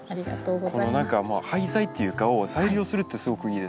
この廃材っていうか再利用するってすごくいいですよね。